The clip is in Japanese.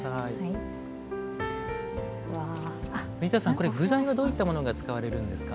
これ具材はどういったものが使われるんですか？